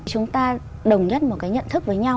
chúng ta đồng nhất một cái nhận thức với nhau